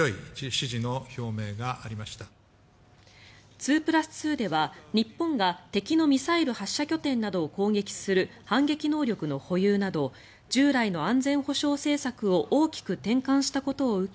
２プラス２では、日本が敵のミサイル発射拠点などを攻撃する反撃能力の保有など従来の安全保障政策を大きく転換したことを受け